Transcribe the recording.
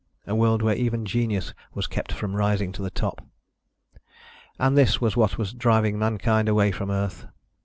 A world where even genius was kept from rising to the top. And this was what was driving mankind away from the Earth.